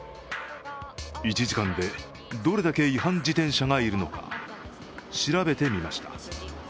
１時間で、どれだけ違反自転車がいるのか調べてみました。